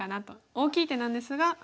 大きい手なんですが。